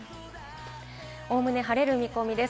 おおむね晴れる見込みです。